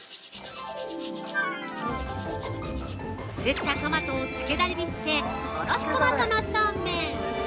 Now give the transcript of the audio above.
◆すったトマトをつけダレにしておろしトマトのそうめん。